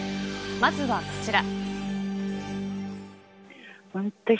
まずはこちら。